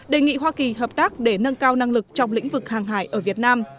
đề nghị hoa kỳ hợp tác để nâng cao năng lực trong lĩnh vực hàng hải ở việt nam